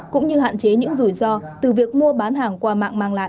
cũng như hạn chế những rủi ro từ việc mua bán hàng qua mạng mang lại